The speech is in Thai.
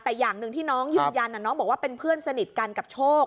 แต่อย่างหนึ่งที่น้องยืนยันน้องบอกว่าเป็นเพื่อนสนิทกันกับโชค